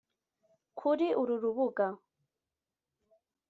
Kuri uru rubuga